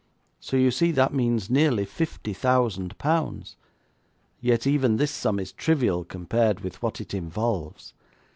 So you see that means nearly fifty thousand pounds, yet even this sum is trivial compared with what it involves.